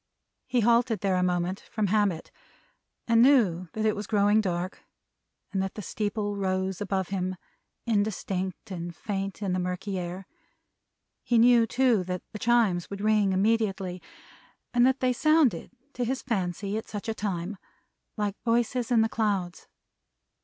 He halted there a moment, from habit; and knew that it was growing dark and that the steeple rose above him indistinct and faint in the murky air. He knew, too, that the Chimes would ring immediately, and that they sounded to his fancy, at such a time, like voices in the clouds.